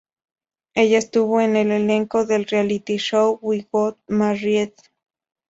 Ella estuvo en el elenco del reality show "We Got Married".